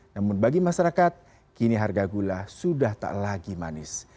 namun bagi masyarakat kini harga gula sudah tak lagi manis